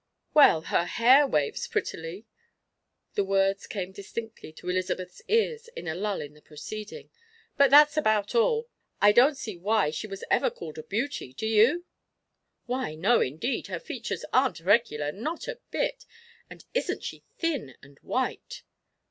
"Well, her hair waves prettily" the words came distinctly to Elizabeth's ears in a lull in the proceeding "but that's about all. I don't see why she was ever called a beauty, do you?" "Why, no, indeed. Her features aren't regular not a bit. And isn't she thin and white!"